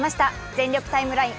「全力タイムライン」